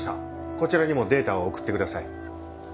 こちらにもデータを送ってください。